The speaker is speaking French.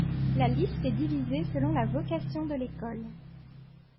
La liste est divisée selon la vocation de l'école.